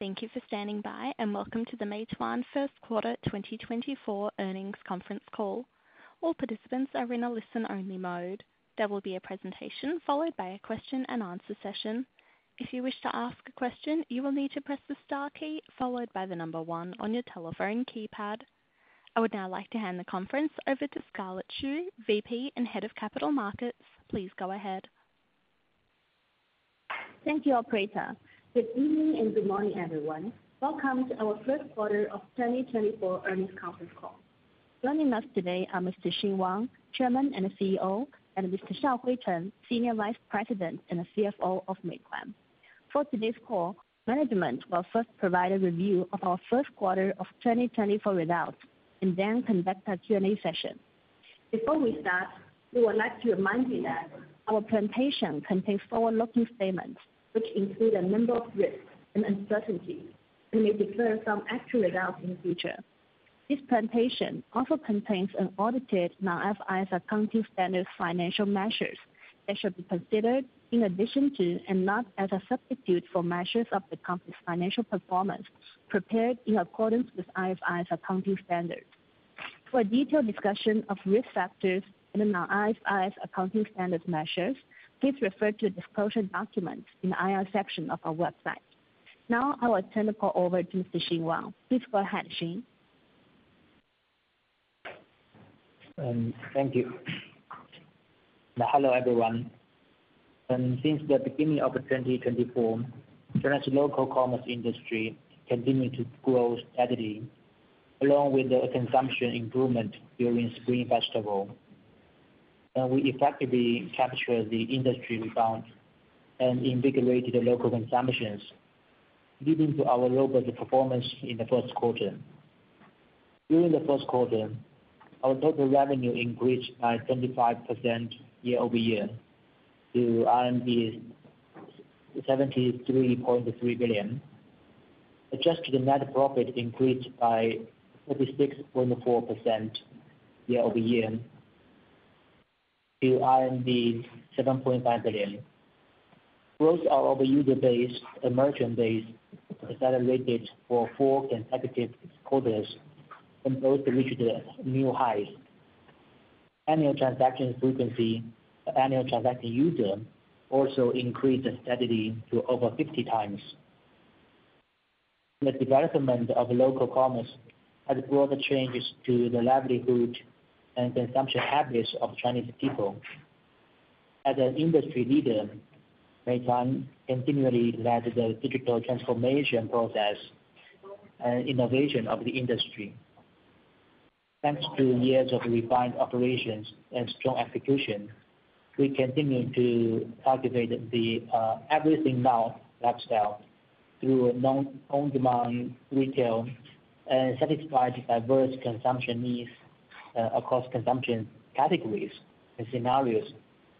Thank you for standing by, and welcome to the Meituan First Quarter 2024 Earnings Conference Call. All participants are in a listen-only mode. There will be a presentation followed by a question-and-answer session. If you wish to ask a question, you will need to press the star key followed by the number one on your telephone keypad. I would now like to hand the conference over to Scarlett Xu, VP and Head of Capital Markets. Please go ahead. Thank you, Operator. Good evening and good morning, everyone. Welcome to our first quarter of 2024 earnings conference call. Joining us today are Mr. Xing Wang, Chairman and CEO, and Mr. Shaohui Chen, Senior Vice President and CFO of Meituan. For today's call, management will first provide a review of our first quarter of 2024 results and then conduct our Q&A session. Before we start, we would like to remind you that our presentation contains forward-looking statements, which include a number of risks and uncertainties that may differ from actual results in the future. This presentation also contains unaudited non-IFRS accounting standards financial measures that should be considered in addition to, and not as a substitute for, measures of the company's financial performance prepared in accordance with IFRS accounting standards. For a detailed discussion of risk factors and non-IFRS accounting standard measures, please refer to the disclosure documents in the IR section of our website. Now I will turn the call over to Mr. Xing Wang. Please go ahead, Xing. Thank you. Hello, everyone. Since the beginning of 2024, China's local commerce industry continued to grow steadily, along with the consumption improvement during Spring Festival. We effectively captured the industry rebound and invigorated the local consumptions, leading to our robust performance in the first quarter. During the first quarter, our total revenue increased by 25% year-over-year to RMB 73.3 billion. Adjusted net profit increased by 36.4% year-over-year to RMB 7.5 billion. Growth of our user base and merchant base accelerated for 4 consecutive quarters and both reached new highs. Annual transaction frequency of annual transaction user also increased steadily to over 50x. The development of local commerce has brought changes to the livelihood and consumption habits of Chinese people. As an industry leader, Meituan continually led the digital transformation process and innovation of the industry. Thanks to years of refined operations and strong execution, we continue to cultivate the Everything Now lifestyle through our on-demand retail and satisfy the diverse consumption needs across consumption categories and scenarios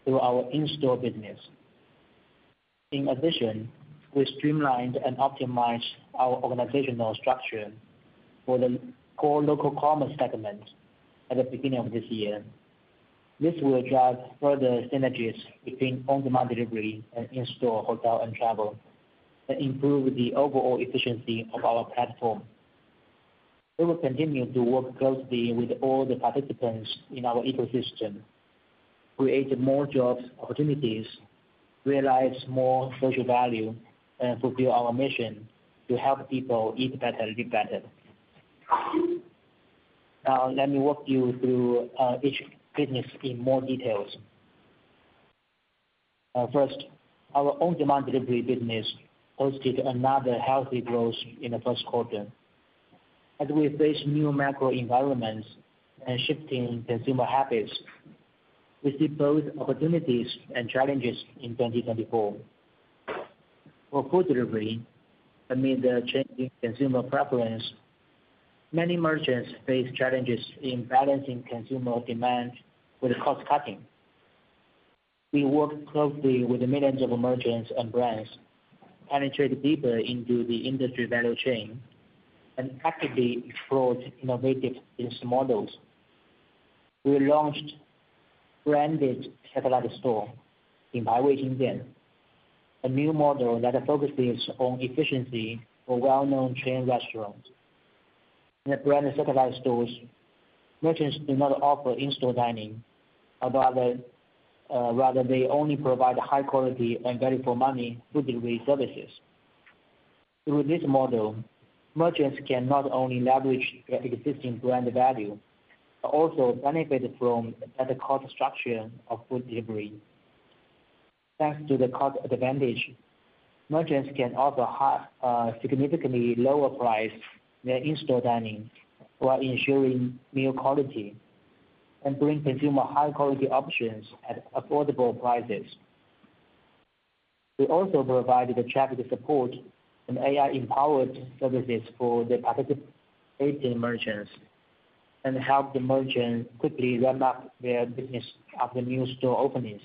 through our in-store business. In addition, we streamlined and optimized our organizational structure for the core local commerce segment at the beginning of this year. This will drive further synergies between on-demand delivery and in-store, hotel, and travel, and improve the overall efficiency of our platform. We will continue to work closely with all the participants in our ecosystem, create more jobs opportunities, realize more social value, and fulfill our mission to help people eat better, live better. Now, let me walk you through each business in more details. First, our on-demand delivery business posted another healthy growth in the first quarter. As we face new macro environments and shifting consumer habits, we see both opportunities and challenges in 2024. For food delivery, amid the changing consumer preference, many merchants face challenges in balancing consumer demand with cost cutting. We work closely with millions of merchants and brands, penetrate deeper into the industry value chain, and actively explore innovative business models. We launched branded satellite stores, a new model that focuses on efficiency for well-known chain restaurants. In the branded satellite stores, merchants do not offer in-store dining, but rather, rather they only provide high quality and value for money food delivery services. Through this model, merchants can not only leverage their existing brand value, but also benefit from better cost structure of food delivery. Thanks to the cost advantage, merchants can offer significantly lower price than in-store dining, while ensuring meal quality and bring consumer high quality options at affordable prices. We also provided the traffic support and AI-empowered services for the participating merchants and helped the merchants quickly ramp up their business after new store openings.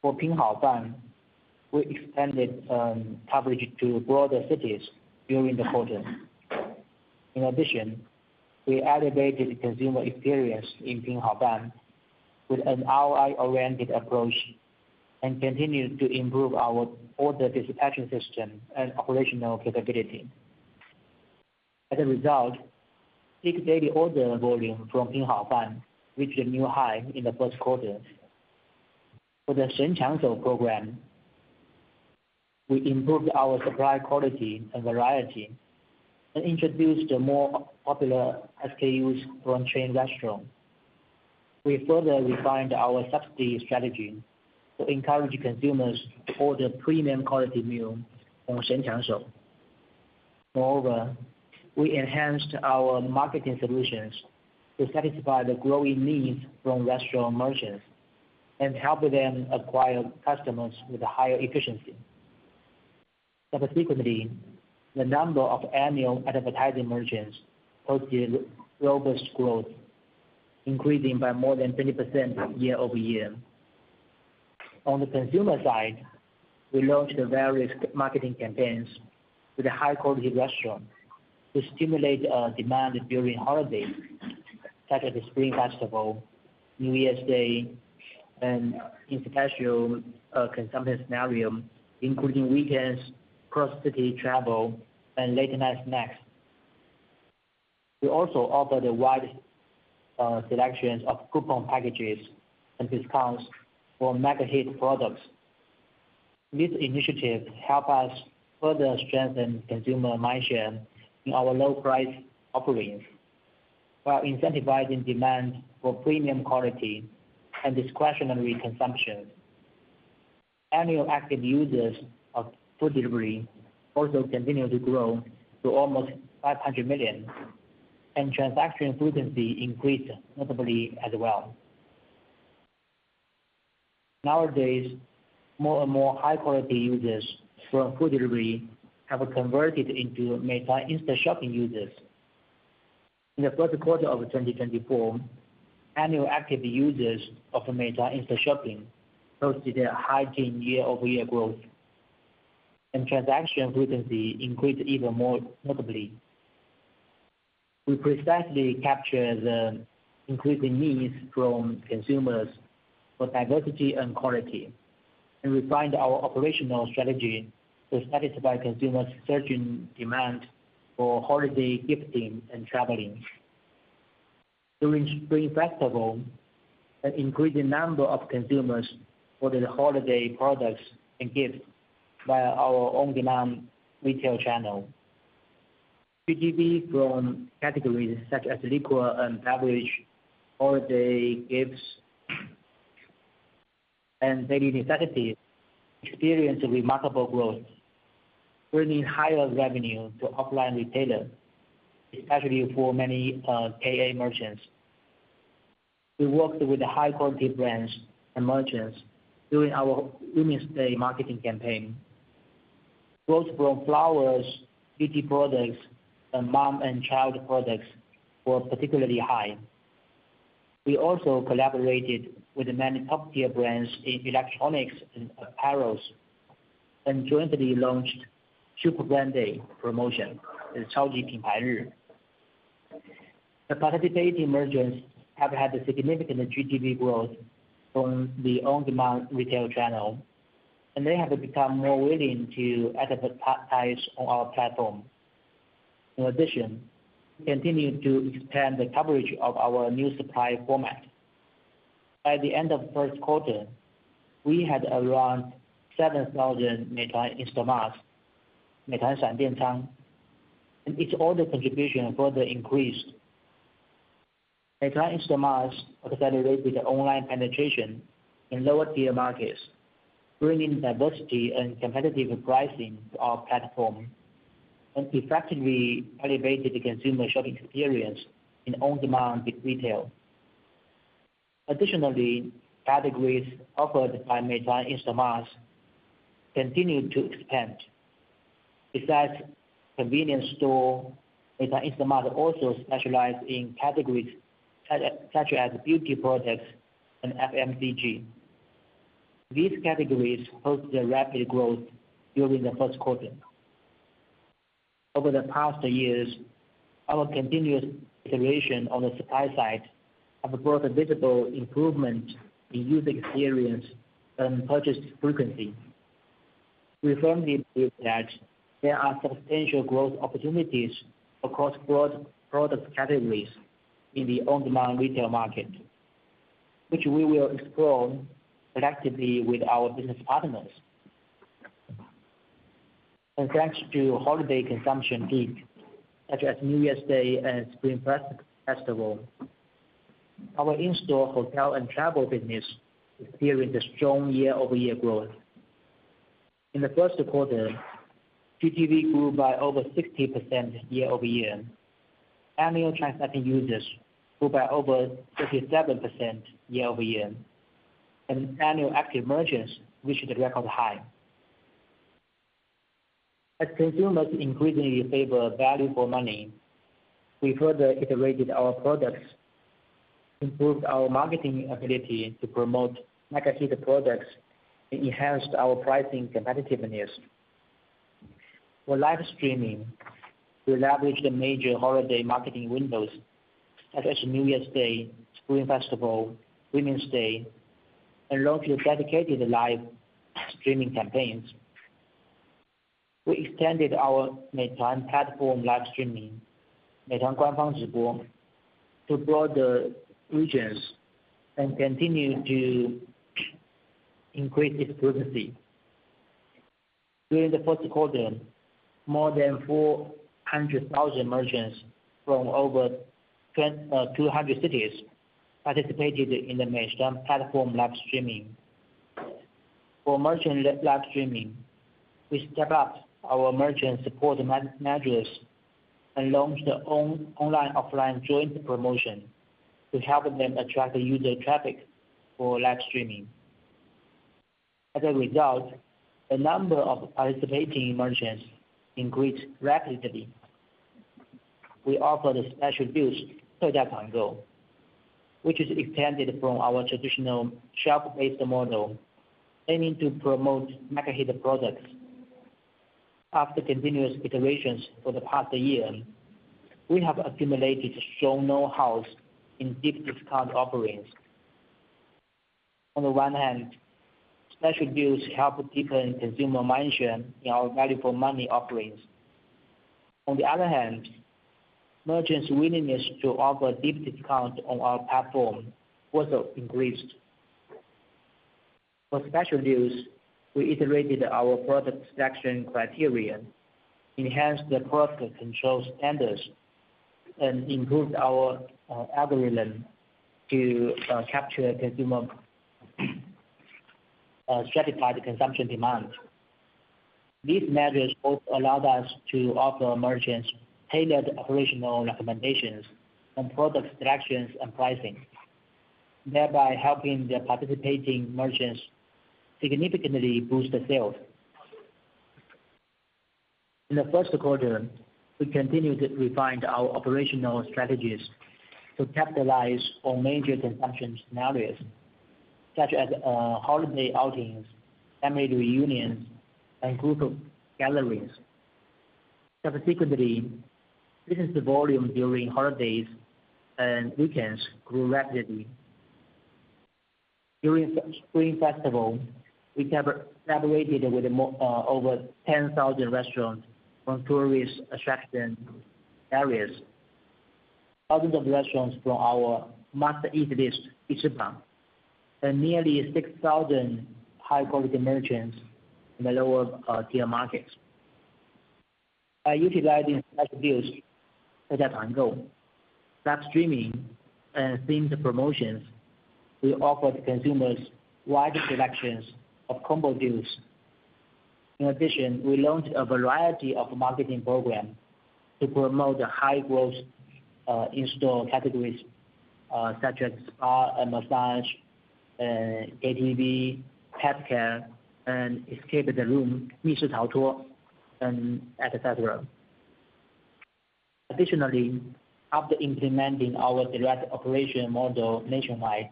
For Pinhaofan, we expanded coverage to broader cities during the quarter. In addition, we elevated the consumer experience in Pinhaofan with an ROI-oriented approach and continued to improve our order dispatching system and operational capability. As a result, peak daily order volume from Pinhaofan reached a new high in the first quarter. For the Shenqiangshou program, we improved our supply quality and variety and introduced more popular SKUs from chain restaurants. We further refined our subsidy strategy to encourage consumers to order premium quality meal from Shenqiangshou. Moreover, we enhanced our marketing solutions to satisfy the growing needs from restaurant merchants and help them acquire customers with a higher efficiency. Subsequently, the number of annual advertising merchants posted robust growth, increasing by more than 20% year-over-year. On the consumer side, we launched the various marketing campaigns with a high-quality restaurant to stimulate demand during holidays, such as the Spring Festival, New Year's Day, and in potential consumption scenario, including weekends, cross-city travel, and late-night snacks. We also offered a wide selection of coupon packages and discounts for mega hit products. These initiatives help us further strengthen consumer mindshare in our low-price offerings, while incentivizing demand for premium quality and discretionary consumption. Annual active users of food delivery also continued to grow to almost 500 million, and transaction frequency increased notably as well. Nowadays, more and more high-quality users from food delivery have converted into Meituan Instashopping users. In the first quarter of 2024, annual active users of Meituan Instashopping posted a high-teens year-over-year growth, and transaction frequency increased even more notably. We precisely capture the increasing needs from consumers for diversity and quality, and refined our operational strategy to satisfy consumers' surging demand for holiday gifting and traveling. During Spring Festival, an increasing number of consumers ordered holiday products and gifts via our on-demand retail channel. GTV from categories such as liquor and beverage, holiday gifts, and daily necessities experienced remarkable growth, bringing higher revenue to offline retailers, especially for many KA merchants. We worked with the high-quality brands and merchants during our Women's Day marketing campaign. Growth from flowers, beauty products, and mom and child products were particularly high. We also collaborated with many top-tier brands in electronics and apparel, and jointly launched Super Brand Day promotion. The participating merchants have had a significant GTV growth from the on-demand retail channel, and they have become more willing to advertise on our platform. In addition, we continue to expand the coverage of our new supply format. At the end of first quarter, we had around 7,000 Meituan InstaMart, and its order contribution further increased. Meituan InstaMart accelerated the online penetration in lower-tier markets, bringing diversity and competitive pricing to our platform and effectively elevated the consumer shopping experience in on-demand retail. Additionally, categories offered by Meituan InstaMart continued to expand. Besides convenience store, Meituan InstaMart also specialize in categories such as beauty products and FMCG. These categories posted a rapid growth during the first quarter. Over the past years, our continuous iteration on the supply side have brought a visible improvement in user experience and purchase frequency. We firmly believe that there are substantial growth opportunities across broad product categories in the on-demand retail market, which we will explore collectively with our business partners. And thanks to holiday consumption peak, such as New Year's Day and Spring Festival, our in-store hotel and travel business experienced a strong year-over-year growth. In the first quarter, GTV grew by over 60% year-over-year. Annual transacting users grew by over 37% year-over-year, and annual active merchants reached a record high. As consumers increasingly favor value for money, we further iterated our products, improved our marketing ability to promote mega hit products and enhanced our pricing competitiveness. For live streaming, we leveraged the major holiday marketing windows, such as New Year's Day, Spring Festival, Women's Day, and launched dedicated live streaming campaigns. We extended our Meituan platform live streaming, Meituan Guangfang Zhibo, to broader regions and continued to increase its frequency. During the first quarter, more than 400,000 merchants from over 200 cities participated in the Meituan platform live streaming. For merchant live streaming, we stepped up our merchant support measures and launched the online, offline joint promotion to help them attract user traffic for live streaming. As a result, the number of participating merchants increased rapidly. We offered a Special Deals, which is expanded from our traditional shelf-based model, aiming to promote mega hit products. After continuous iterations for the past year, we have accumulated strong know-hows in deep discount offerings. On the one hand, Special Deals help deepen consumer mindshare in our value for money offerings. On the other hand, merchants' willingness to offer deep discounts on our platform also increased. For Special Deals, we iterated our product selection criteria, enhanced the product control standards, and improved our algorithm to capture consumer stratified consumption demand. These measures both allowed us to offer merchants tailored operational recommendations on product selections and pricing, thereby helping the participating merchants significantly boost their sales. In the first quarter, we continued to refine our operational strategies to capitalize on major consumption scenarios, such as holiday outings, family reunions, and group gatherings. Subsequently, business volume during holidays and weekends grew rapidly. During Spring Festival, we collaborated with over 10,000 restaurants from tourist attraction areas, thousands of restaurants from our Must-Eat List, Bi Chi Bang, and nearly 6,000 high-quality merchants in the lower-tier markets. By utilizing Special Deals, such as Tuan-gou, live streaming, and themed promotions, we offered consumers wider selections of combo deals. In addition, we launched a variety of marketing program to promote the high growth in-store categories, such as spa and massage, KTV, pet care, and escape room, and etc. Additionally, after implementing our direct operation model nationwide,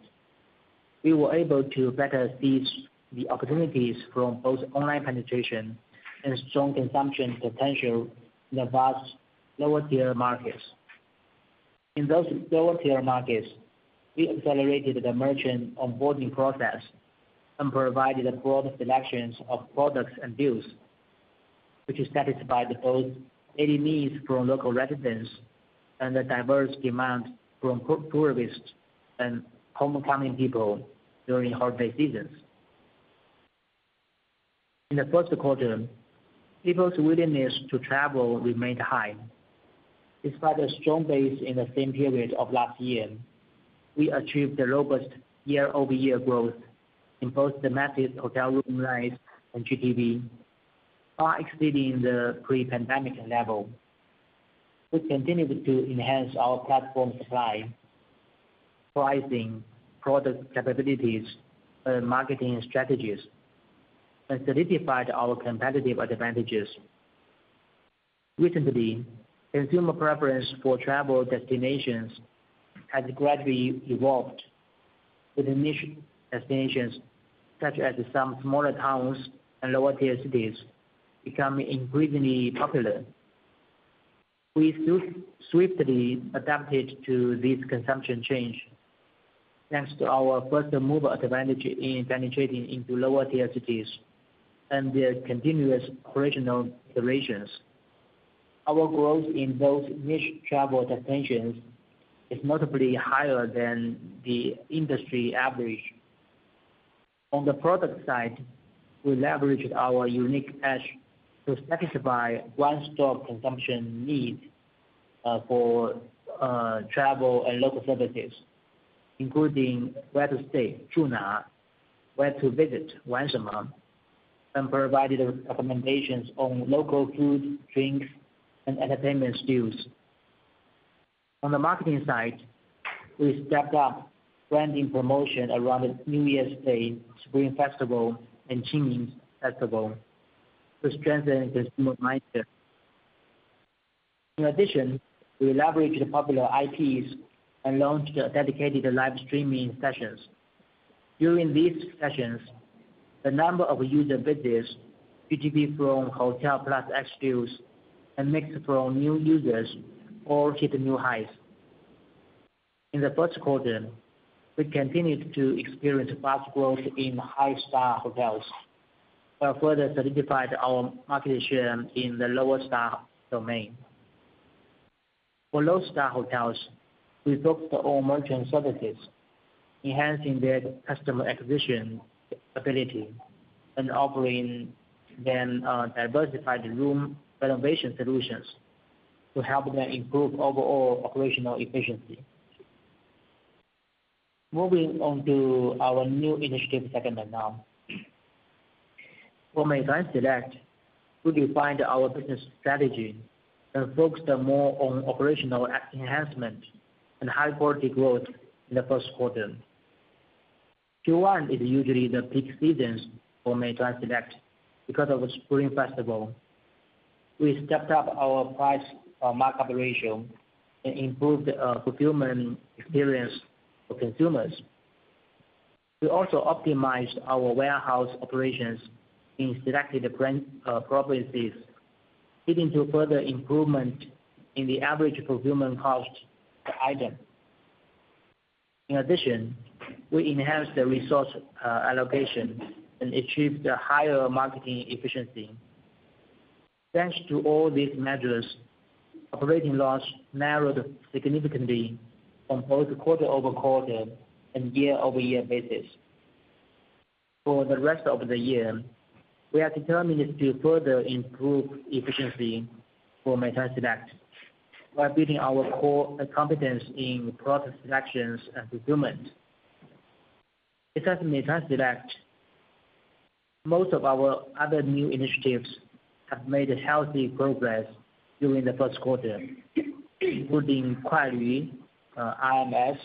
we were able to better seize the opportunities from both online penetration and strong consumption potential in the vast lower-tier markets. In those lower-tier markets, we accelerated the merchant onboarding process and provided a broad selection of products and deals, which has satisfied both daily needs from local residents and the diverse demand from tourists and homecoming people during holiday seasons. In the first quarter, people's willingness to travel remained high. Despite a strong base in the same period of last year, we achieved the robust year-over-year growth in both the massive hotel room nights and GTV, far exceeding the pre-pandemic level. We continued to enhance our platform supply, pricing, product capabilities, and marketing strategies, and solidified our competitive advantages. Recently, consumer preference for travel destinations has gradually evolved, with niche destinations, such as some smaller towns and lower-tier cities, becoming increasingly popular. We swiftly adapted to this consumption change, thanks to our first-mover advantage in penetrating into lower-tier cities and their continuous operational iterations. Our growth in those niche travel destinations is notably higher than the industry average. On the product side, we leveraged our unique edge to satisfy one-stop consumption need for travel and local services, including where to stay, 住 哪, where to visit, 玩什 么, and provided recommendations on local food, drinks, and entertainment deals. On the marketing side, we stepped up branding promotion around the New Year's Day, Spring Festival, and Qingming Festival to strengthen the consumer mindset. In addition, we leveraged the popular IPs and launched dedicated live streaming sessions. During these sessions, the number of user visits, GTV from Hotel Plus SKUs, and mix from new users all hit new highs. In the first quarter, we continued to experience fast growth in high-star hotels, while further solidified our market share in the lower star domain. For low-star hotels, we focused on merchant services, enhancing their customer acquisition ability and offering them diversified room renovation solutions to help them improve overall operational efficiency. Moving on to our new initiative segment now. For Meituan Select, we refined our business strategy and focused more on operational enhancement and high-quality growth in the first quarter. Q1 is usually the peak season for Meituan Select because of the Spring Festival. We stepped up our price markup ratio and improved fulfillment experience for consumers. We also optimized our warehouse operations in selected brand properties, leading to further improvement in the average fulfillment cost per item. In addition, we enhanced the resource allocation and achieved a higher marketing efficiency. Thanks to all these measures, operating loss narrowed significantly on both quarter-over-quarter and year-over-year basis. For the rest of the year, we are determined to further improve efficiency for Meituan Select by building our core competence in product selections and fulfillment. Besides Meituan Select, most of our other new initiatives have made a healthy progress during the first quarter, including Kuailv, RMS,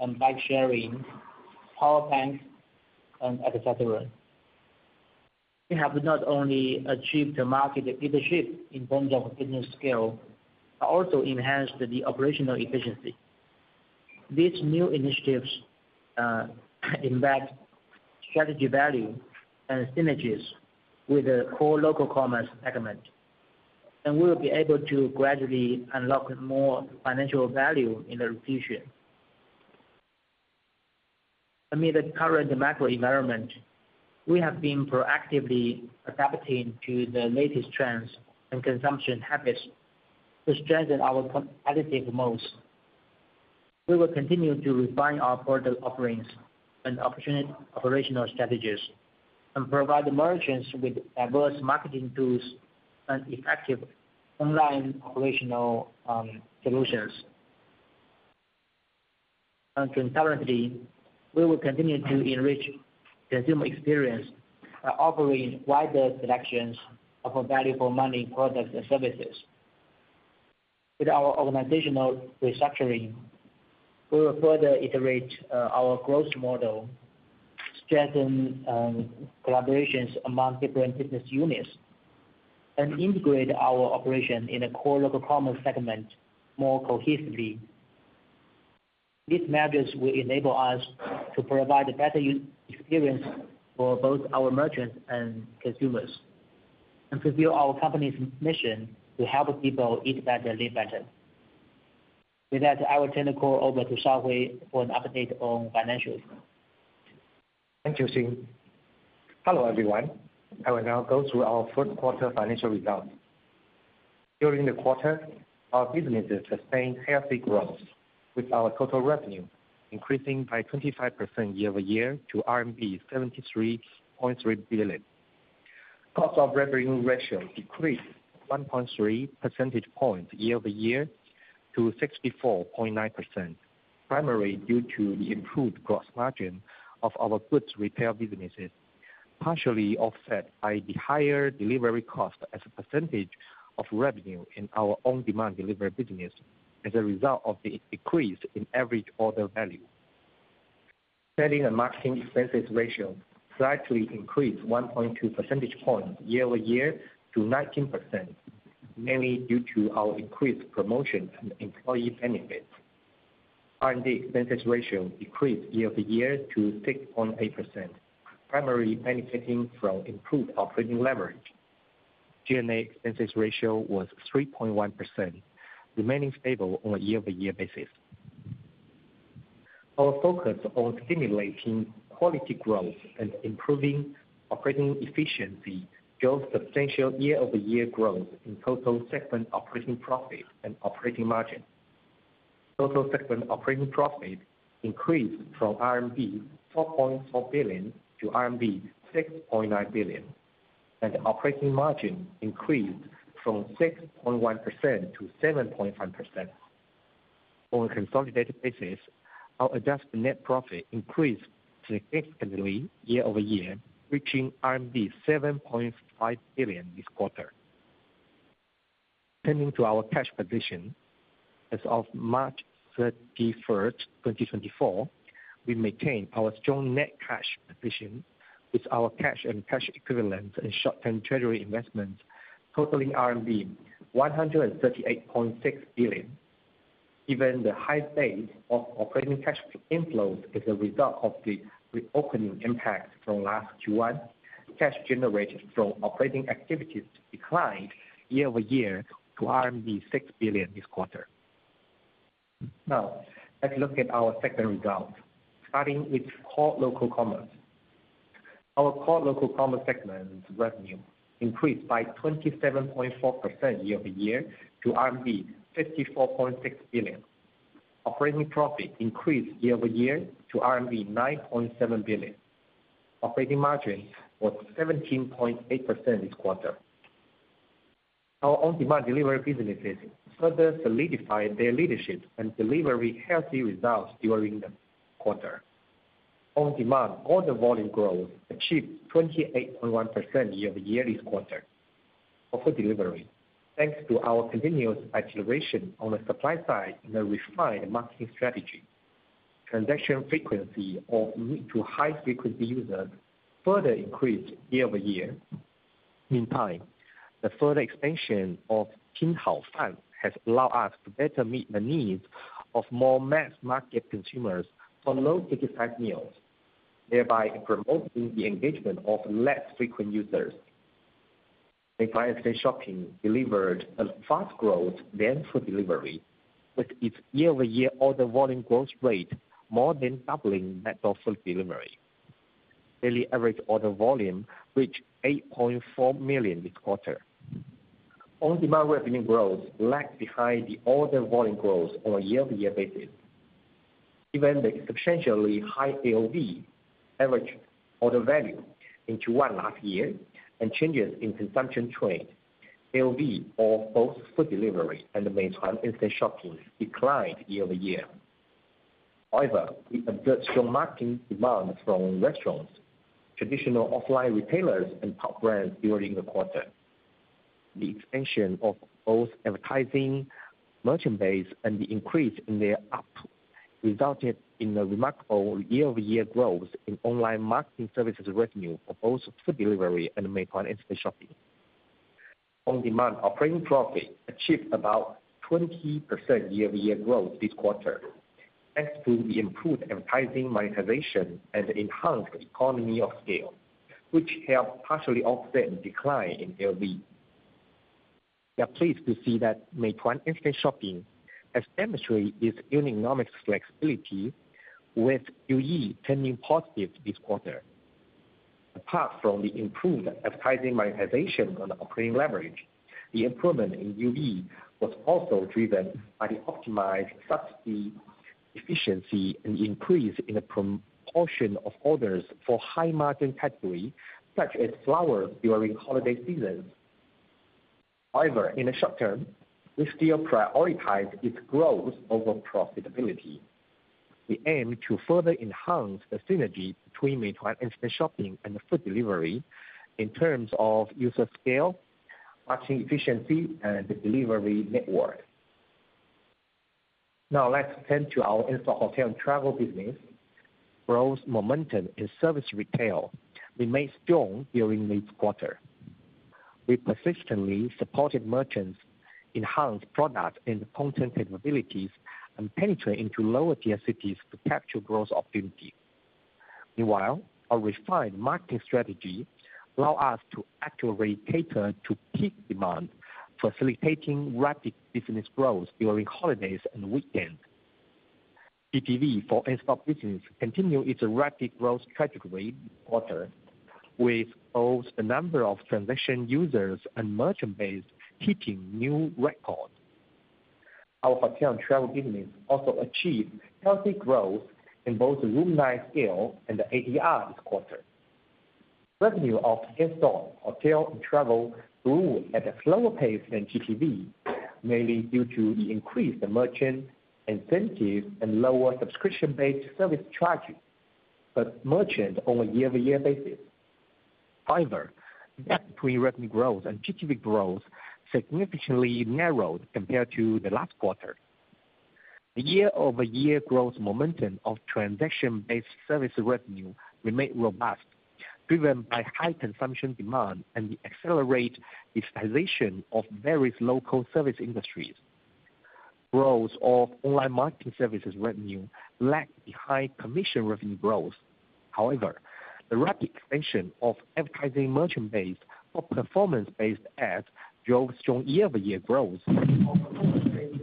and bike sharing, power banks, and et cetera. We have not only achieved the market leadership in terms of business scale, but also enhanced the operational efficiency. These new initiatives embed strategy value and synergies with the core local commerce segment, and we will be able to gradually unlock more financial value in the future. Amid the current macro environment, we have been proactively adapting to the latest trends and consumption habits to strengthen our competitive modes. We will continue to refine our product offerings and operational strategies, and provide merchants with diverse marketing tools and effective online operational solutions. Concurrently, we will continue to enrich the consumer experience by offering wider selections of our value-for-money products and services. With our organizational restructuring, we will further iterate our growth model, strengthen collaborations among different business units, and integrate our operation in the core local commerce segment more cohesively. These measures will enable us to provide a better user experience for both our merchants and consumers, and fulfill our company's mission to help people eat better, live better. With that, I will turn the call over to Shaohui for an update on financials. Thank you, Xing. Hello, everyone. I will now go through our fourth quarter financial results. During the quarter, our businesses sustained healthy growth, with our total revenue increasing by 25% year-over-year to RMB 73.3 billion. Cost of revenue ratio decreased 1.3 percentage points year-over-year to 64.9%, primarily due to the improved gross margin of our goods retail businesses, partially offset by the higher delivery cost as a percentage of revenue in our on-demand delivery business as a result of the decrease in average order value. Selling and marketing expenses ratio slightly increased 1.2 percentage points year-over-year to 19%, mainly due to our increased promotion and employee benefits. R&D expenses ratio decreased year-over-year to 6.8%, primarily benefiting from improved operating leverage. G&A expenses ratio was 3.1%, remaining stable on a year-over-year basis. Our focus on stimulating quality growth and improving operating efficiency drove substantial year-over-year growth in total segment operating profit and operating margin. Total segment operating profit increased from RMB 4.4 billion to RMB 6.9 billion, and operating margin increased from 6.1%-7.5%. On a consolidated basis, our adjusted net profit increased significantly year-over-year, reaching RMB 7.5 billion this quarter. Turning to our cash position as of March 31st, 2024, we maintained our strong net cash position with our cash and cash equivalents and short-term treasury investments totaling RMB 138.6 billion. Given the high base of operating cash inflows as a result of the reopening impact from last Q1, cash generated from operating activities declined year-over-year to 6 billion this quarter. Now, let's look at our segment results, starting with core local commerce. Our core local commerce segment's revenue increased by 27.4% year-over-year to RMB 54.6 billion. Operating profit increased year-over-year to RMB 9.7 billion. Operating margin was 17.8% this quarter. Our on-demand delivery businesses further solidified their leadership and delivered healthy results during the quarter. On-demand order volume growth achieved 28.1% year-over-year this quarter. Food delivery, thanks to our continuous acceleration on the supply side and a refined marketing strategy. Transaction frequency of mid-to-high frequency users further increased year-over-year. Meanwhile, the further expansion of Pinhaofan has allowed us to better meet the needs of more mass market consumers for low-ticket-size meals, thereby promoting the engagement of less frequent users. Meituan Instashopping delivered a fast growth than food delivery, with its year-over-year order volume growth rate more than doubling that of food delivery. Daily average order volume reached 8.4 million this quarter. On-demand revenue growth lagged behind the order volume growth on a year-over-year basis. Given the substantially high AOV, average order value, in Q1 last year and changes in consumption trend, AOV of both food delivery and the Meituan Instashopping declined year-over-year. However, we observed strong marketing demand from restaurants, traditional offline retailers and top brands during the quarter. The expansion of both advertising, merchant base, and the increase in their app, resulted in a remarkable year-over-year growth in online marketing services revenue for both food delivery and the Meituan Instashopping. On-demand operating profit achieved about 20% year-over-year growth this quarter, thanks to the improved advertising monetization and enhanced economy of scale, which helped partially offset the decline in AOV. We are pleased to see that Meituan Instashopping has demonstrated its economics flexibility, with UE turning positive this quarter. Apart from the improved advertising monetization on the operating leverage, the improvement in UE was also driven by the optimized subsidy efficiency and increase in the proportion of orders for high-margin category, such as flowers during holiday seasons. However, in the short term, we still prioritize its growth over profitability. We aim to further enhance the synergy between Meituan Instashopping and the food delivery in terms of user scale, marketing efficiency, and the delivery network. Now, let's turn to our In-store, Hotel and Travel business. Growth momentum in service retail remained strong during this quarter. We persistently supported merchants, enhanced product and content capabilities, and penetrate into lower-tier cities to capture growth opportunities. Meanwhile, our refined marketing strategy allow us to accurately cater to peak demand, facilitating rapid business growth during holidays and weekends. GTV for Instant Business continued its rapid growth trajectory this quarter, with both the number of transaction users and merchant base hitting new records. Our hotel and travel business also achieved healthy growth in both the room night scale and the ADR this quarter. Revenue of In-store, Hotel and Travel grew at a slower pace than GTV, mainly due to the increase in merchant incentives and lower subscription-based service charges, but merchants on a year-over-year basis. However, net revenue growth and GTV growth significantly narrowed compared to the last quarter. The year-over-year growth momentum of transaction-based service revenue remained robust, driven by high consumption demand and the accelerated digitization of various local service industries. Growth of online marketing services revenue lagged behind commission revenue growth. However, the rapid expansion of advertising merchant base of performance-based ads drove strong year-over-year growth of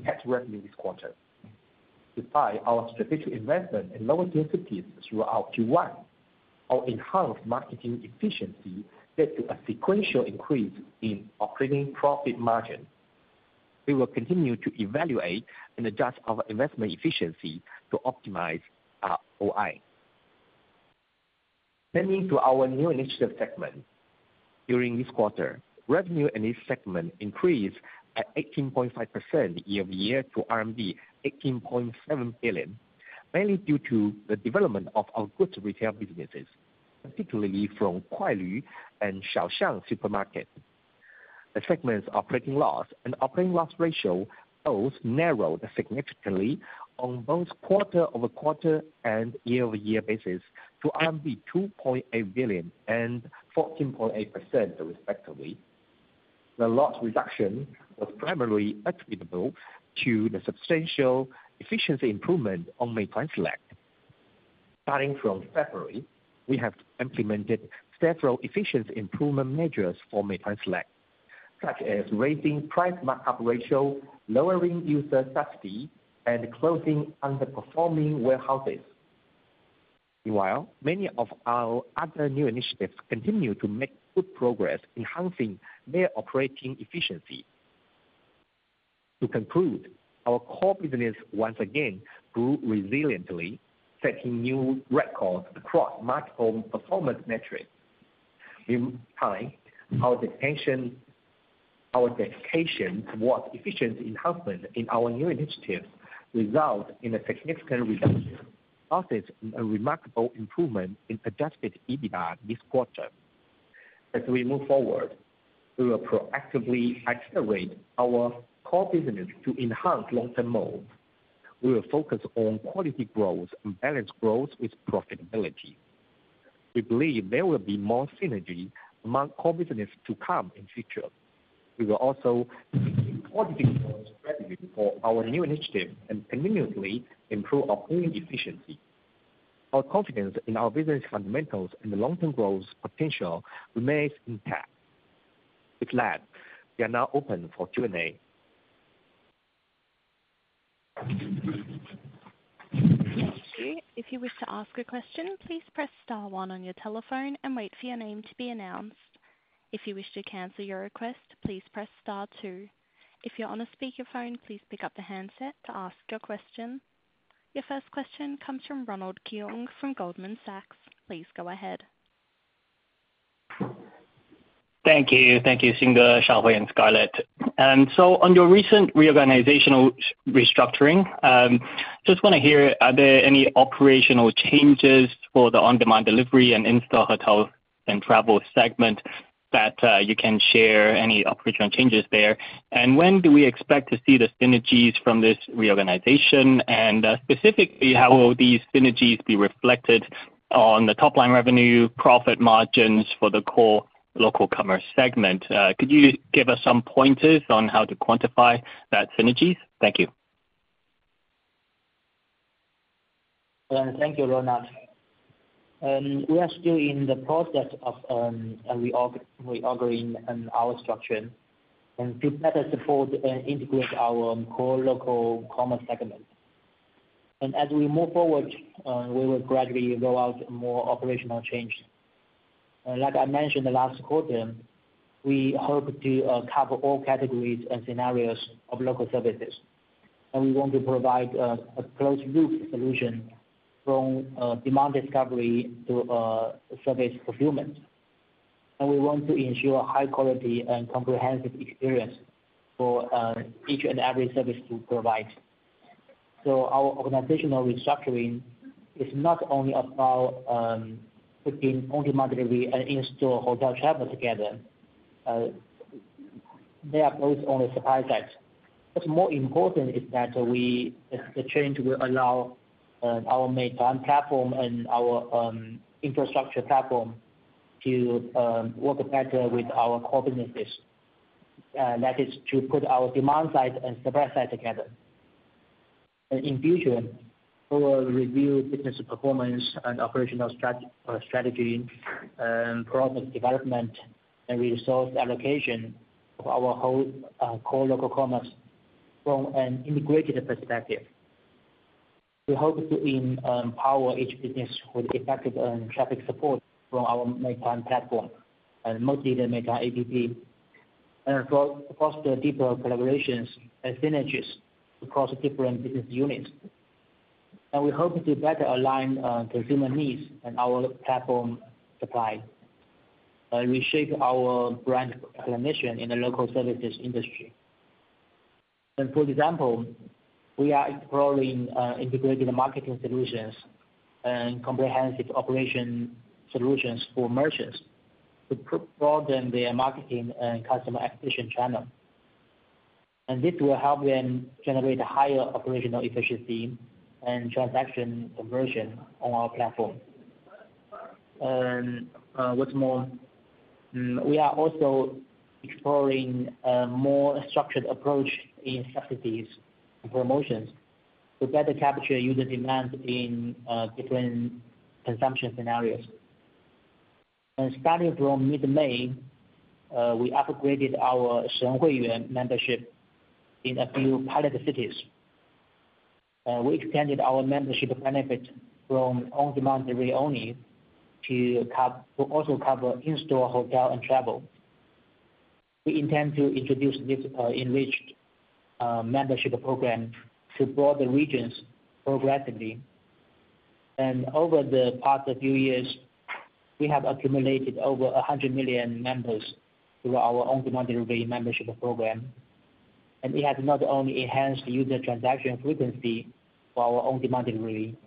ad revenue this quarter. Despite our strategic investment in lower-tier cities throughout Q1, our enhanced marketing efficiency led to a sequential increase in operating profit margin. We will continue to evaluate and adjust our investment efficiency to optimize our ROI. Turning to our New Initiative segment. During this quarter, revenue in this segment increased at 18.5% year-over-year to 18.7 billion, mainly due to the development of our goods retail businesses, particularly from Kuailv and Xiaoxiang Supermarket. The segment's operating loss and operating loss ratio both narrowed significantly on both quarter-over-quarter and year-over-year basis to RMB 2.8 billion and 14.8% respectively. The loss reduction was primarily attributable to the substantial efficiency improvement on Meituan Select. Starting from February, we have implemented several efficiency improvement measures for Meituan Select, such as raising price markup ratio, lowering user subsidy, and closing underperforming warehouses. Meanwhile, many of our other new initiatives continue to make good progress, enhancing their operating efficiency. To conclude, our core business once again grew resiliently, setting new records across multiple performance metrics. Meanwhile, our attention, our dedication towards efficiency enhancement in our new initiatives result in a significant reduction, thus a remarkable improvement in Adjusted EBITDA this quarter. As we move forward, we will proactively accelerate our core business to enhance long-term growth. We will focus on quality growth and balanced growth with profitability. We believe there will be more synergy among core business to come in future. We will also for our new initiative and continuously improve operating efficiency. Our confidence in our business fundamentals and the long-term growth potential remains intact. With that, we are now open for Q&A. If you wish to ask a question, please press star one on your telephone and wait for your name to be announced. If you wish to cancel your request, please press star two. If you're on a speakerphone, please pick up the handset to ask your question. Your first question comes from Ronald Keung from Goldman Sachs. Please go ahead. Thank you. Thank you, Xing Wang, Shaohui Chen, and Scarlett Xu. And so on your recent reorganizational restructuring, just wanna hear, are there any operational changes for the on-demand delivery and in-store hotel and travel segment that you can share any operational changes there? And when do we expect to see the synergies from this reorganization? And, specifically, how will these synergies be reflected on the top line revenue profit margins for the core local commerce segment? Could you give us some pointers on how to quantify that synergies? Thank you. Thank you, Ronald. We are still in the process of reordering our structure and to better support and integrate our core local commerce segment. As we move forward, we will gradually roll out more operational changes. Like I mentioned the last quarter, we hope to cover all categories and scenarios of local services, and we want to provide a closed-loop solution from demand discovery to service fulfillment. We want to ensure high quality and comprehensive experience for each and every service we provide. So our organizational restructuring is not only about putting only moderately and in-store hotel travel together, they are both on the supply side. What's more important is that we, the change will allow our Meituan platform and our infrastructure platform to work better with our core businesses. That is to put our demand side and supply side together. In future, we will review business performance and operational strategy and product development and resource allocation of our whole core local commerce from an integrated perspective. We hope to empower each business with effective traffic support from our Meituan platform and mostly the Meituan App, and foster deeper collaborations and synergies across different business units. We hope to better align consumer needs and our platform supply reshape our brand mission in the local services industry. For example, we are exploring integrated marketing solutions and comprehensive operation solutions for merchants to broaden their marketing and customer acquisition channel. This will help them generate higher operational efficiency and transaction conversion on our platform. What's more, we are also exploring more structured approach in subsidies and promotions to better capture user demand in different consumption scenarios. Starting from mid-May, we upgraded our Shenhuiyuan membership in a few pilot cities. We expanded our membership benefit from on-demand delivery only to also cover in-store, hotel, and travel. We intend to introduce this enriched membership program to broader regions progressively. Over the past few years, we have accumulated over 100 million members through our on-demand delivery membership program. It has not only enhanced user transaction frequency for our on-demand delivery,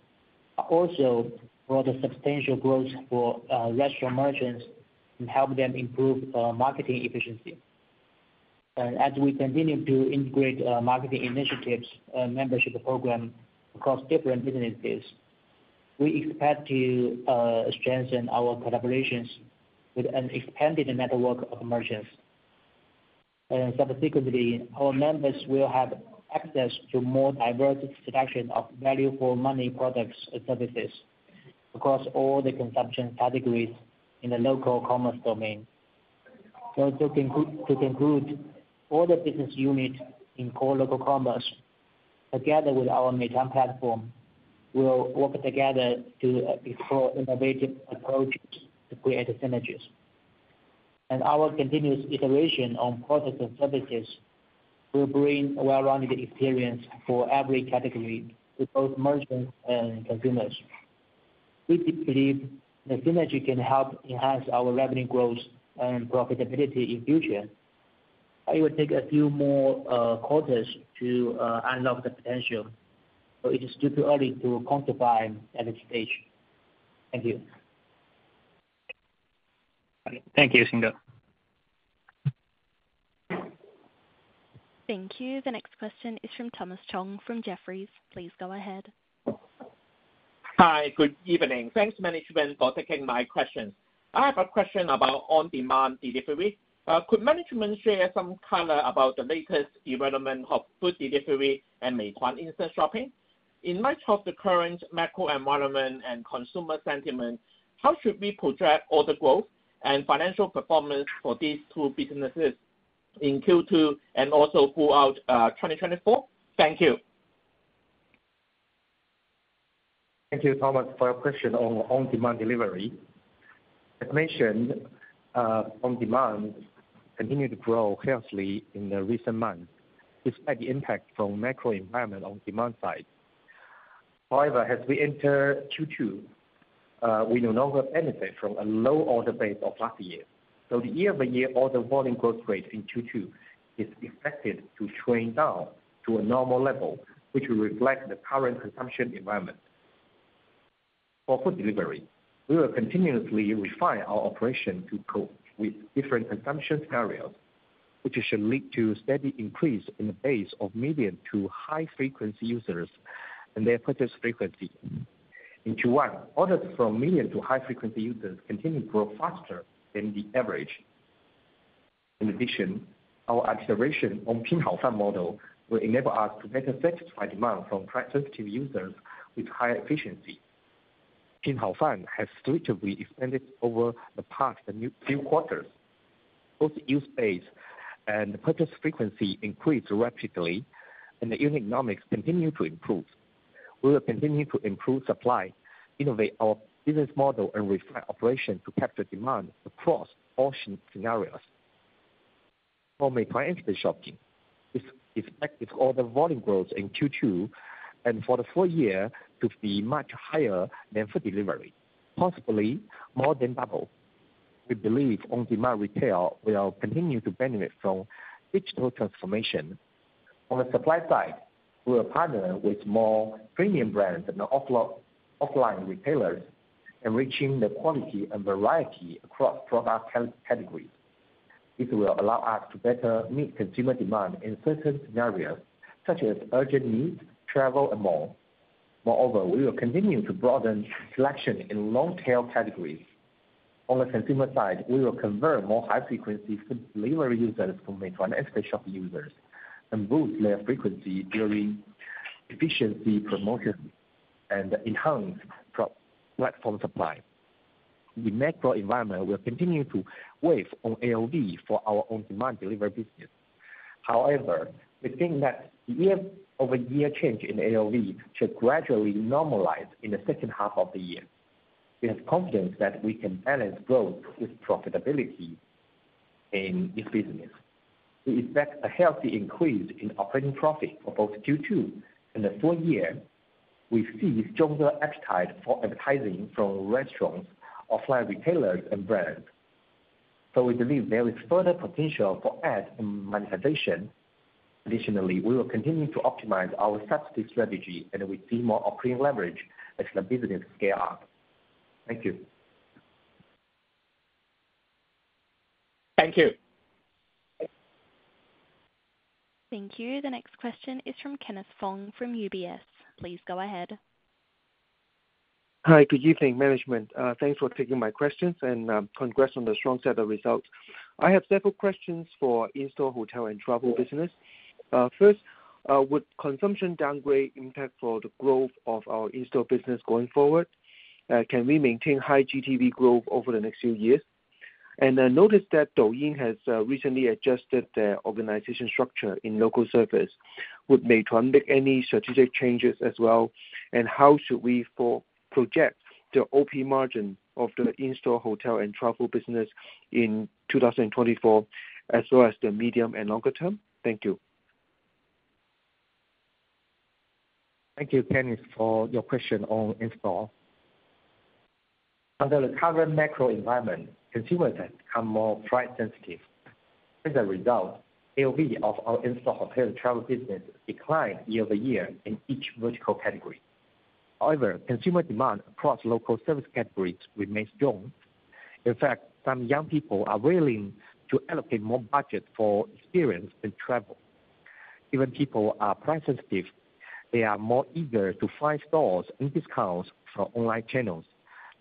but also brought a substantial growth for restaurant merchants and helped them improve marketing efficiency. As we continue to integrate marketing initiatives, membership program across different businesses, we expect to strengthen our collaborations with an expanded network of merchants. Subsequently, our members will have access to more diverse selection of value for money products and services across all the consumption categories in the local commerce domain. To conclude, all the business unit in core local commerce, together with our Meituan platform, will work together to explore innovative approaches to create synergies. Our continuous iteration on products and services will bring a well-rounded experience for every category to both merchants and consumers. We do believe the synergy can help enhance our revenue growth and profitability in future. It will take a few more quarters to unlock the potential, so it is still too early to quantify at this stage. Thank you. Thank you, Xing Wang. Thank you. The next question is from Thomas Chong from Jefferies. Please go ahead. Hi, good evening. Thanks, management, for taking my questions. I have a question about on-demand delivery. Could management share some color about the latest development of food delivery and Meituan Instashopping? In light of the current macro environment and consumer sentiment, how should we project all the growth and financial performance for these two businesses in Q2 and also throughout, 2024? Thank you. Thank you, Thomas, for your question on on-demand delivery. As mentioned, on-demand continued to grow healthily in the recent months, despite the impact from macro environment on demand side. However, as we enter Q2, we no longer benefit from a low order base of last year. So the year-over-year order volume growth rate in Q2 is expected to trend down to a normal level, which will reflect the current consumption environment. For food delivery, we will continuously refine our operation to cope with different consumption scenarios, which should lead to a steady increase in the base of medium- to high-frequency users and their purchase frequency. In Q1, orders from medium to high-frequency users continued to grow faster than the average. In addition, our acceleration on Pinhaofan model will enable us to better satisfy demand from price-sensitive users with higher efficiency. Pinhaofan has significantly expanded over the past few quarters. Both user base and purchase frequency increased rapidly, and the unit economics continued to improve. We will continue to improve supply, innovate our business model, and refine operation to capture demand across all scenarios. For Meituan Instashopping, we expect with all the volume growth in Q2 and for the full year to be much higher than food delivery, possibly more than double. We believe on-demand retail will continue to benefit from digital transformation. On the supply side, we are partnered with more premium brands and offline retailers, enriching the quality and variety across product categories. This will allow us to better meet consumer demand in certain scenarios, such as urgent needs, travel, and more. Moreover, we will continue to broaden selection in long-tail categories. On the consumer side, we will convert more high-frequency food delivery users to Meituan Instashopping users and boost their frequency during efficiency promotions and enhance pro-platform supply. The macro environment will continue to weigh on AOV for our on-demand delivery business. However, we think that the year-over-year change in AOV should gradually normalize in the second half of the year. We have confidence that we can balance growth with profitability in this business. We expect a healthy increase in operating profit for both Q2 and the full year. We see stronger appetite for advertising from restaurants, offline retailers, and brands, so we believe there is further potential for ads and monetization. Additionally, we will continue to optimize our subsidy strategy, and we see more operating leverage as the business scale up. Thank you. Thank you. Thank you. The next question is from Kenneth Fong, from UBS. Please go ahead. Hi, good evening, management. Thanks for taking my questions, and congrats on the strong set of results. I have several questions for in-store, hotel, and travel business. First, would consumption downgrade impact for the growth of our in-store business going forward? Can we maintain high GTV growth over the next few years? And I noticed that Douyin has recently adjusted their organization structure in local service. Would Meituan make any strategic changes as well, and how should we forecast the OP margin of the in-store, hotel, and travel business in 2024, as well as the medium and longer term? Thank you. Thank you, Kenny, for your question on in-store. Under the current macro environment, consumers have become more price sensitive. As a result, AOV of our in-store hotel travel business declined year-over-year in each vertical category. However, consumer demand across local service categories remains strong. In fact, some young people are willing to allocate more budget for experience and travel. Even people are price sensitive, they are more eager to find stores and discounts from online channels,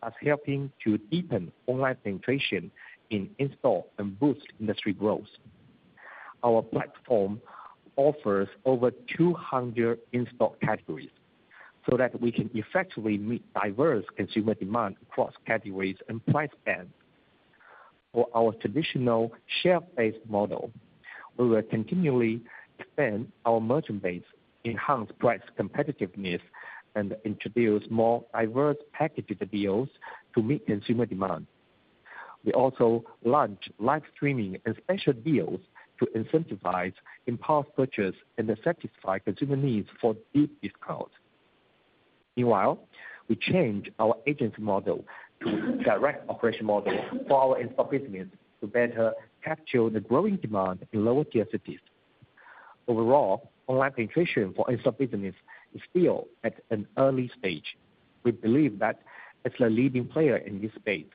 thus helping to deepen online penetration in in-store and boost industry growth. Our platform offers over 200 in-store categories, so that we can effectively meet diverse consumer demand across categories and price bands. For our traditional share-based model, we will continually expand our merchant base, enhance price competitiveness, and introduce more diverse packages and deals to meet consumer demand. We also launched live streaming and Special Deals to incentivize impulse purchase and to satisfy consumer needs for deep discounts. Meanwhile, we changed our agency model to direct operation model for our in-store business to better capture the growing demand in lower-tier cities. Overall, online penetration for in-store business is still at an early stage. We believe that as the leading player in this space,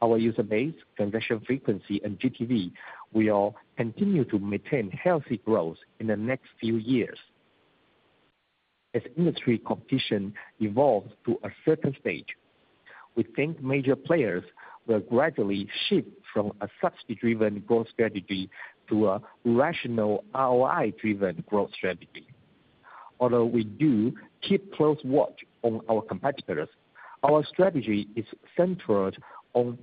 our user base, transaction frequency, and GTV will continue to maintain healthy growth in the next few years. As industry competition evolves to a certain stage, we think major players will gradually shift from a subsidy-driven growth strategy to a rational ROI-driven growth strategy. Although we do keep close watch on our competitors, our strategy is centered on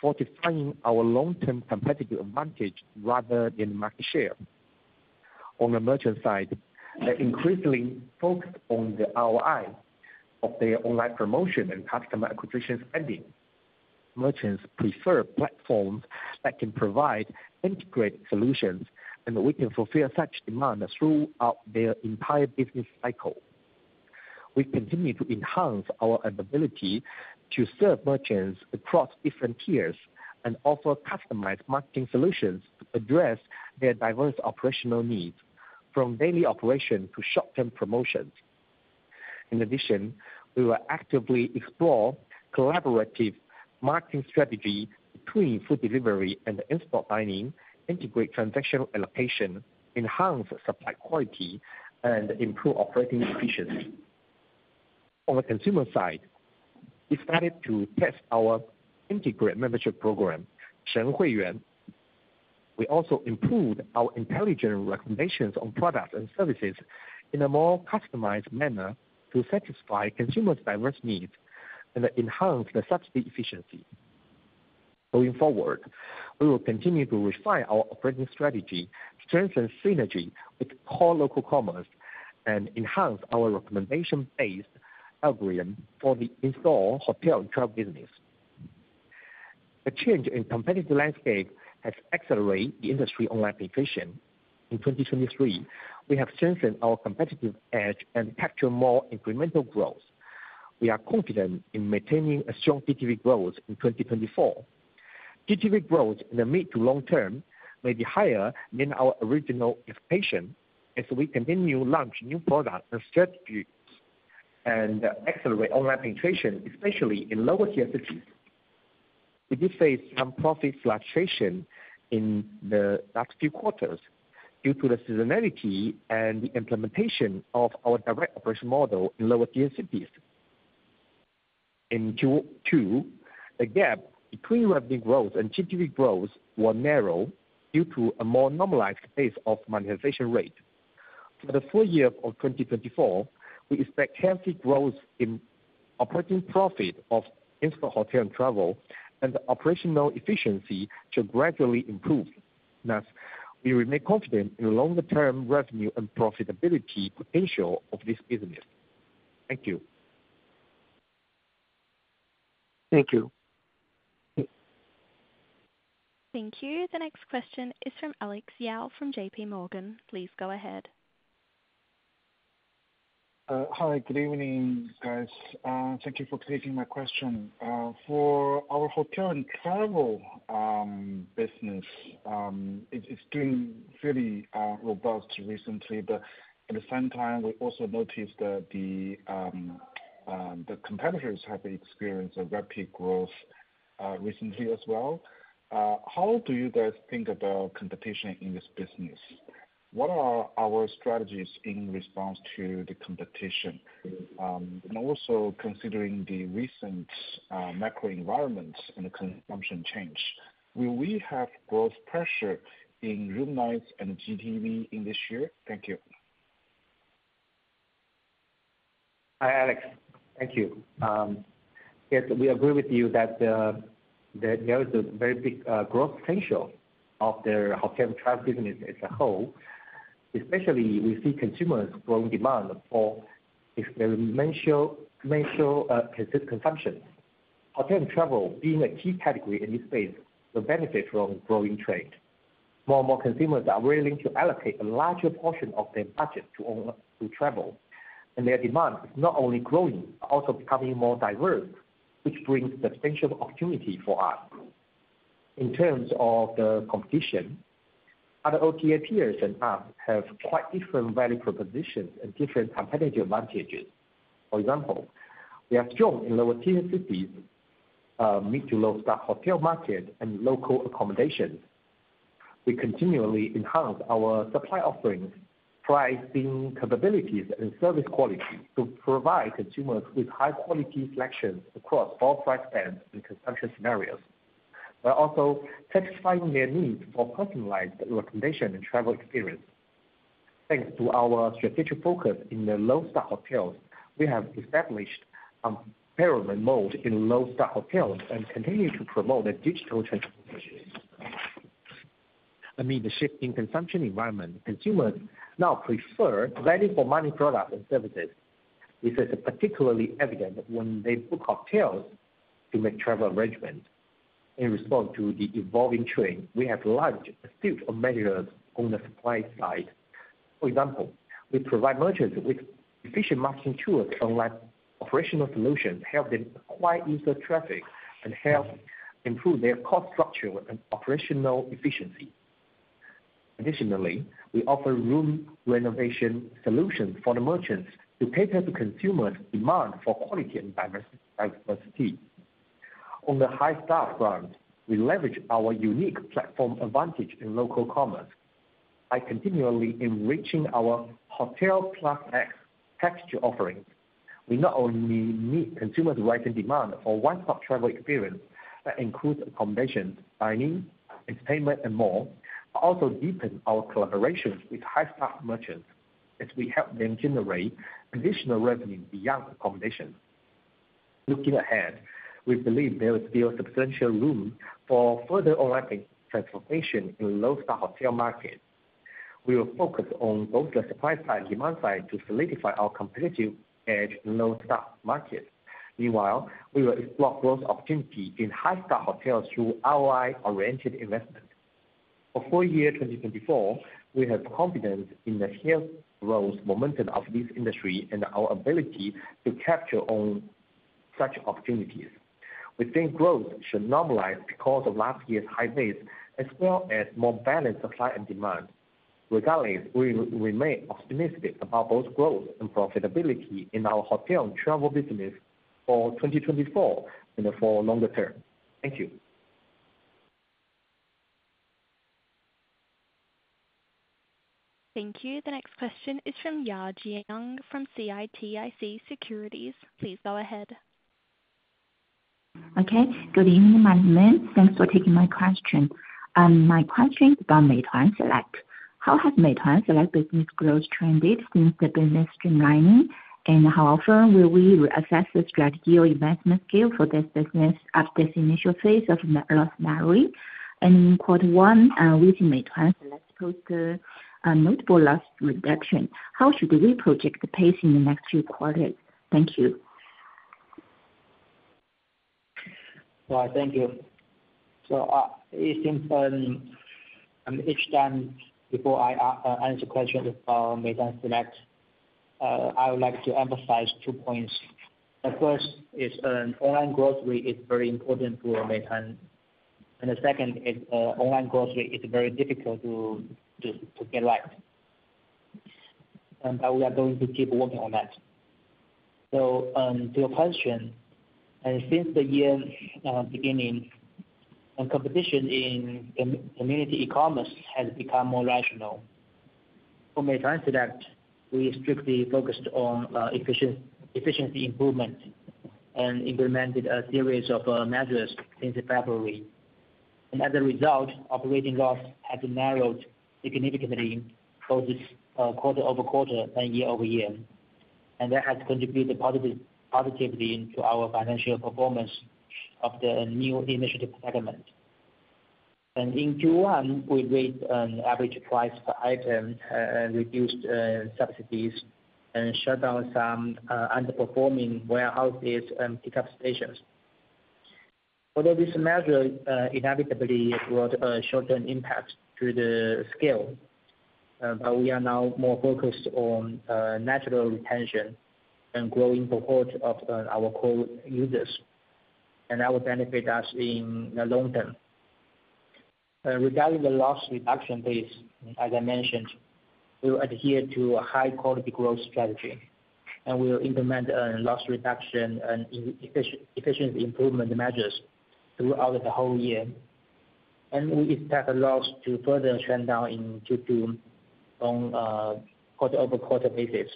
fortifying our long-term competitive advantage rather than market share. On the merchant side, they're increasingly focused on the ROI of their online promotion and customer acquisition spending. Merchants prefer platforms that can provide integrated solutions, and we can fulfill such demand throughout their entire business cycle. We continue to enhance our ability to serve merchants across different tiers, and offer customized marketing solutions to address their diverse operational needs, from daily operation to short-term promotions. In addition, we will actively explore collaborative marketing strategy between food delivery and the in-store dining, integrate transaction allocation, enhance supply quality, and improve operating efficiency. On the consumer side, we started to test our integrated membership program, Shenhuiyuan. We also improved our intelligent recommendations on products and services in a more customized manner to satisfy consumers' diverse needs and enhance the subsidy efficiency. Going forward, we will continue to refine our operating strategy, strengthen synergy with core local commerce, and enhance our recommendation-based algorithm for the in-store hotel and travel business. The change in competitive landscape has accelerated the industry online penetration. In 2023, we have strengthened our competitive edge and captured more incremental growth. We are confident in maintaining a strong GTV growth in 2024. GTV growth in the mid to long term may be higher than our original expectation, as we continue to launch new products and strategies and accelerate online penetration, especially in lower-tier cities. We do face some profit fluctuation in the next few quarters due to the seasonality and the implementation of our direct operation model in lower-tier cities. In Q2, the gap between revenue growth and GTV growth were narrow due to a more normalized pace of monetization rate. For the full year of 2024, we expect healthy growth in operating profit of in-store hotel and travel, and the operational efficiency should gradually improve. Thus, we remain confident in the longer term revenue and profitability potential of this business. Thank you. Thank you. Thank you. The next question is from Alex Yao from JPMorgan. Please go ahead. Hi, good evening, guys. Thank you for taking my question. For our hotel and travel business, it's been fairly robust recently, but at the same time, we also noticed that the competitors have experienced a rapid growth recently as well. How do you guys think about competition in this business? What are our strategies in response to the competition? And also considering the recent macro environment and the consumption change, will we have growth pressure in room nights and GTV in this year? Thank you. Hi, Alex. Thank you. Yes, we agree with you that there is a very big growth potential of the hotel and travel business as a whole. Especially, we see consumers' growing demand for experiential consumption. Hotel and travel being a key category in this space will benefit from growing trade. More and more consumers are willing to allocate a larger portion of their budget to travel, and their demand is not only growing, but also becoming more diverse, which brings substantial opportunity for us. In terms of the competition, other OTA peers and us have quite different value propositions and different competitive advantages. For example, we are strong in lower tier cities, mid- to low-star hotel market, and local accommodations. We continually enhance our supply offerings, pricing capabilities, and service quality to provide consumers with high-quality selections across all price bands and consumption scenarios, while also satisfying their needs for personalized recommendation and travel experience. Thanks to our strategic focus in the low-star hotels, we have established unparalleled moat in low-star hotels and continue to promote a digital transformation. Amid the shifting consumption environment, consumers now prefer value-for-money products and services. This is particularly evident when they book hotels to make travel arrangements. In response to the evolving trend, we have launched a suite of measures on the supply side. For example, we provide merchants with efficient marketing tools, including operational solutions, help them acquire user traffic and help improve their cost structure and operational efficiency. Additionally, we offer room renovation solutions for the merchants to cater to consumers' demand for quality and diversity. On the high-star front, we leverage our unique platform advantage in local commerce by continually enriching our Hotel+X extra offerings. We not only meet consumers' rising demand for one-stop travel experience that includes accommodations, dining, entertainment, and more, but also deepen our collaborations with high-star merchants as we help them generate additional revenue beyond accommodations. Looking ahead, we believe there is still substantial room for further online transformation in low-star hotel market. We will focus on both the supply side and demand side to solidify our competitive edge in low-star markets. Meanwhile, we will explore growth opportunity in high-star hotels through ROI-oriented investment. For full year 2024, we have confidence in the healthy growth momentum of this industry and our ability to capitalize on such opportunities. We think growth should normalize because of last year's high base, as well as more balanced supply and demand. Regardless, we remain optimistic about both growth and profitability in our hotel and travel business for 2024 and for longer term. Thank you. Thank you. The next question is from Ya Jiang from CITIC Securities. Please go ahead. Okay. Good evening, management. Thanks for taking my question. My question is about Meituan Select. How has Meituan Select business growth trended since the business streamlining? And how often will we re-assess the strategy or investment scale for this business at this initial phase of loss narrowing? And in quarter one, within Meituan Select posted a notable loss reduction, how should we project the pace in the next two quarters? Thank you. Well, thank you. So, it's important, each time before I answer questions about Meituan Select, I would like to emphasize two points. The first is, online grocery is very important to Meituan. And the second is, online grocery is very difficult to get right. But we are going to keep working on that. So, to your question, since the year beginning and competition in community e-commerce has become more rational, for Meituan Select, we strictly focused on efficiency improvement and implemented a series of measures since February. And as a result, operating loss has narrowed significantly both quarter-over-quarter and year-over-year, and that has contributed positively to our financial performance of the new initiative segment. In Q1, we raised average price per item, and reduced subsidies and shut down some underperforming warehouses and pickup stations. Although this measure inevitably brought a short-term impact to the scale, but we are now more focused on natural retention and growing the cohort of our core users, and that will benefit us in the long term. Regarding the loss reduction pace, as I mentioned, we will adhere to a high quality growth strategy, and we will implement loss reduction and efficiency improvement measures throughout the whole year. We expect loss to further trend down in Q2 on a quarter-over-quarter basis.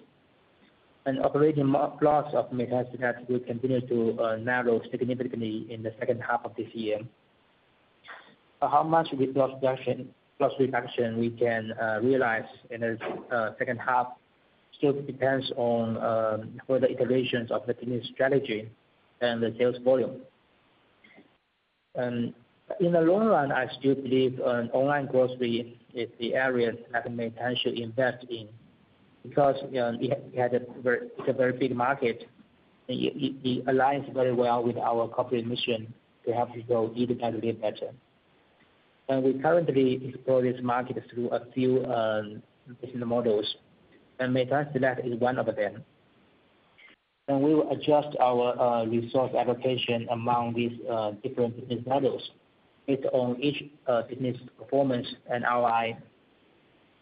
Operating loss of Meituan Select will continue to narrow significantly in the second half of this year. So how much loss reduction, loss reduction we can realize in the second half still depends on further iterations of the business strategy and the sales volume. In the long run, I still believe online grocery is the area that Meituan should invest in, because, you know, it's a very big market. It aligns very well with our corporate mission to help people eat and live better. We currently explore this market through a few business models, and Meituan Select is one of them. We will adjust our resource allocation among these different business models based on each business performance and ROI.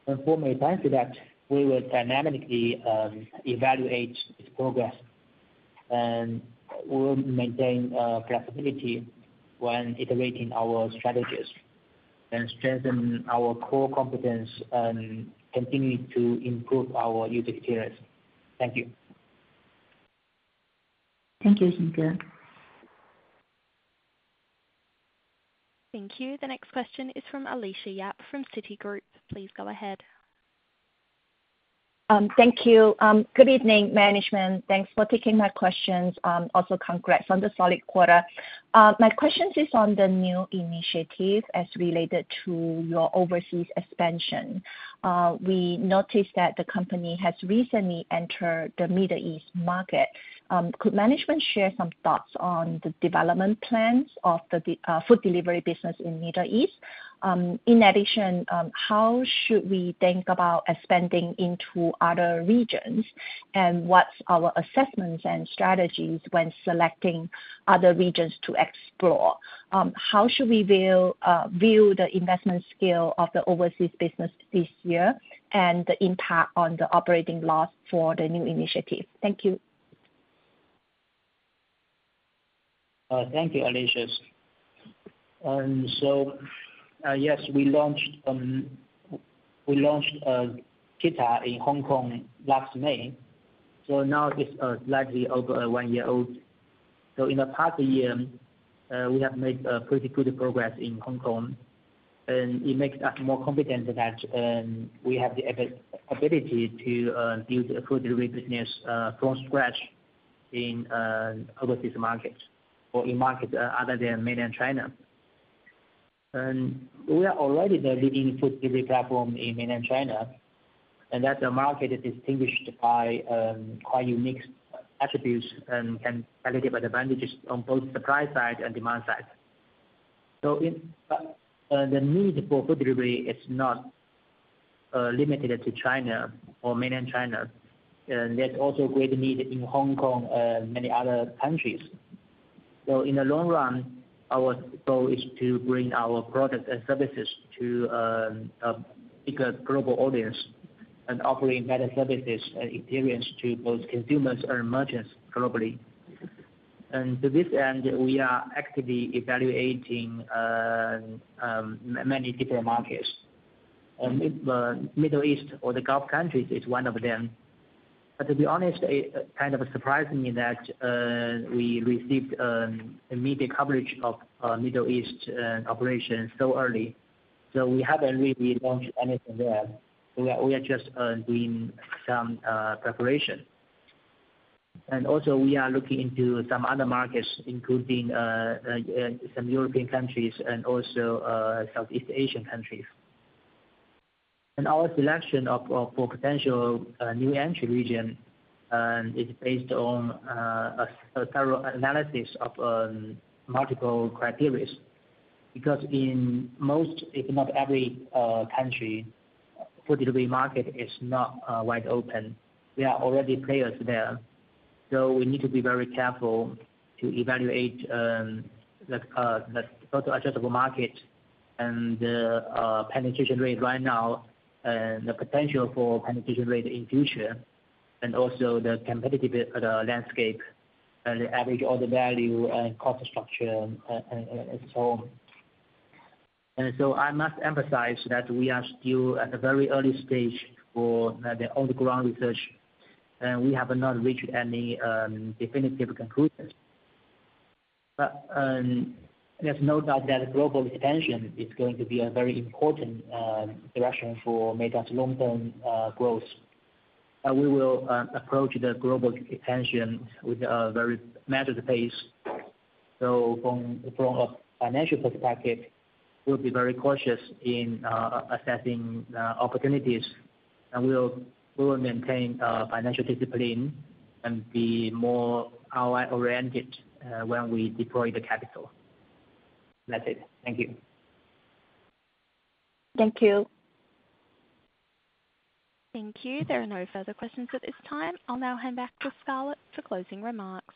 For Meituan Select, we will dynamically evaluate its progress, and we'll maintain flexibility when iterating our strategies and strengthen our core competence and continue to improve our user experience. Thank you. Thank you, Xing. Thank you. The next question is from Alicia Yap from Citigroup. Please go ahead. Thank you. Good evening, management. Thanks for taking my questions. Also congrats on the solid quarter. My questions is on the new initiative as related to your overseas expansion. We noticed that the company has recently entered the Middle East market. Could management share some thoughts on the development plans of the food delivery business in Middle East? In addition, how should we think about expanding into other regions? What's our assessments and strategies when selecting other regions to explore? How should we view the investment scale of the overseas business this year, and the impact on the operating loss for the new initiative? Thank you. Thank you, Alicia. Yes, we launched KeeTa in Hong Kong last May. So now it's slightly over one year old. In the past year, we have made pretty good progress in Hong Kong, and it makes us more confident that we have the ability to build a food delivery business from scratch in overseas markets or in markets other than Mainland China. We are already the leading food delivery platform in Mainland China, and that the market is distinguished by quite unique attributes and competitive advantages on both supply side and demand side. The need for food delivery is not limited to China or Mainland China. There's also great need in Hong Kong and many other countries. So in the long run, our goal is to bring our products and services to a bigger global audience, and offering better services and experience to both consumers and merchants globally. And to this end, we are actively evaluating many different markets, and Middle East or the Gulf countries is one of them. But to be honest, it kind of surprising me that we received immediate coverage of Middle East operation so early. So we haven't really launched anything there. We are just doing some preparation. And also, we are looking into some other markets, including some European countries and also Southeast Asian countries. And our selection of for potential new entry region is based on a thorough analysis of multiple criteria. Because in most, if not every, country, food delivery market is not wide open. There are already players there, so we need to be very careful to evaluate the total addressable market and the penetration rate right now, the potential for penetration rate in future, and also the competitive landscape and the average order value and cost structure, and so on. And so I must emphasize that we are still at a very early stage for the on-the-ground research, and we have not reached any definitive conclusions. But, there's no doubt that global expansion is going to be a very important direction for Meituan's long-term growth. And we will approach the global expansion with a very measured pace. So from a financial perspective, we'll be very cautious in assessing the opportunities, and we'll maintain financial discipline and be more ROI-oriented when we deploy the capital. That's it. Thank you. Thank you. Thank you. There are no further questions at this time. I'll now hand back to Scarlett for closing remarks.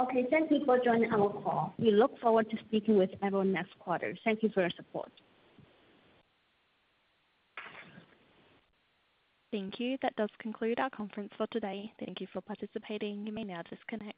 Okay, thank you for joining our call. We look forward to speaking with everyone next quarter. Thank you for your support. Thank you. That does conclude our conference for today. Thank you for participating. You may now disconnect.